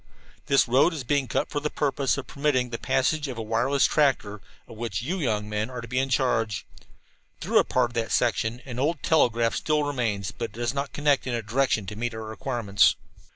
"This road is being cut for the purpose of permitting the passage of a wireless tractor, of which you men are to be in charge. Through a part of that section an old telegraph line still remains, but it does not connect in a direction to meet our requirements.